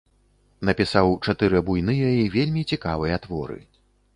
Напісаў чатыры буйныя і вельмі цікавыя творы.